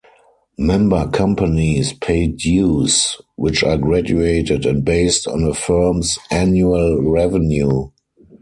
Member companies pay dues, which are graduated and based on a firm's annual revenue.